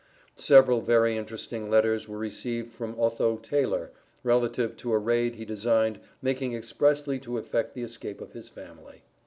Several very interesting letters were received from Otho Taylor, relative to a raid he designed making expressly to effect the escape of his family.